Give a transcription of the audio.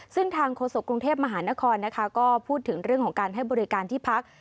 ซึ่งทางโฆษกรุงเทพมหานครนะคะก็พูดถึงเรื่องของการให้บริการที่พัก